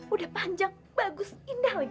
udah panjang bagus indah lagi